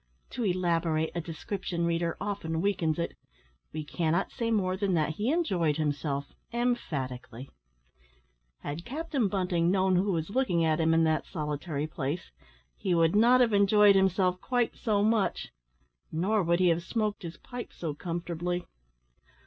To elaborate a description, reader, often weakens it we cannot say more than that he enjoyed himself emphatically. Had Captain Bunting known who was looking at him in that solitary place, he would not have enjoyed himself quite so much, nor would he have smoked his pipe so comfortably.